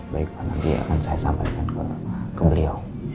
baik pak nanti akan saya sampaikan ke beliau